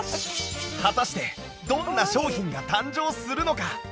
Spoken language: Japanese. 果たしてどんな商品が誕生するのか？